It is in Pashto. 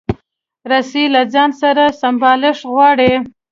رسۍ له ځان سره سمبالښت غواړي.